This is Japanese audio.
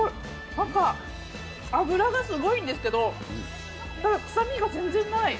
なんか、脂がすごいんですけど、ただ、臭みが全然ない。